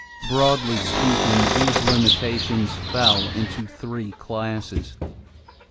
Broadly speaking, these limitations fell into three classes.